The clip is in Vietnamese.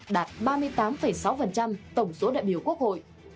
đạt ba mươi tám sáu tổng số đại biểu quốc hội